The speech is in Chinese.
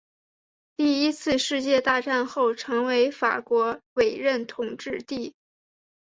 第一次世界大战后成为法国委任统治地。